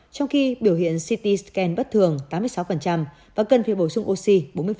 trong khi biểu hiện ct scan bất thường tám mươi sáu và cân phía bổ sung oxy bốn mươi